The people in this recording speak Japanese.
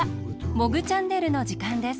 「モグチャンネル」のじかんです。